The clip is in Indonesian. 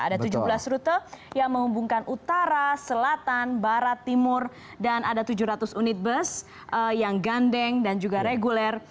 ada tujuh belas rute yang menghubungkan utara selatan barat timur dan ada tujuh ratus unit bus yang gandeng dan juga reguler